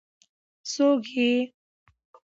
څوک يې ؟